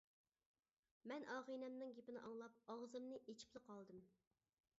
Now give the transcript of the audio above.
مەن ئاغىنەمنىڭ گېپىنى ئاڭلاپ ئاغزىمنى ئېچىپلا قالدىم.